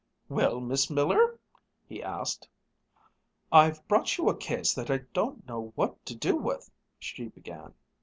"Well, Miss Miller ?" he asked. "I've brought you a case that I don't know what to do with," she began.